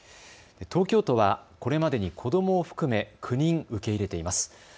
東京都はこれまでに子どもを含め９人受け入れています。